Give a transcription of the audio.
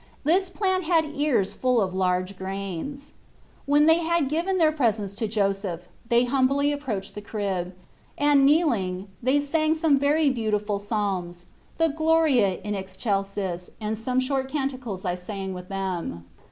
This plant had ears full of large grains. When they had given their presents to Joseph they humbly approached the crib and, kneel ing, they sang some very beautiful psalms the Gloria in Excelsis and some short Xorfc Jesus Cbrist. IQI canticles I sang with them.